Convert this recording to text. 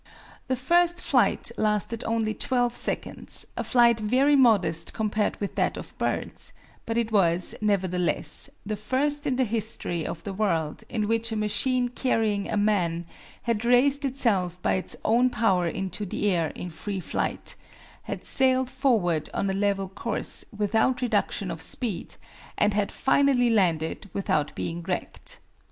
The first flight lasted only 12 seconds, a flight very modest compared with that of birds, but it was, nevertheless, the first in the history of the world in which a machine carrying a man had raised itself by its own power into the air in free flight, had sailed forward on a level course without reduction of speed, and had finally landed without being wrecked.